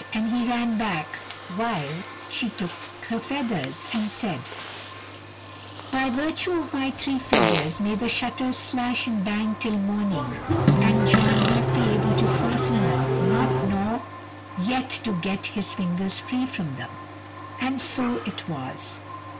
and he ran back, while she took her feathers, and said: "By virtue of my three feathers may the shutters slash and bang till morning, and John not be able to fasten them nor yet to get his fingers free from them." And so it was.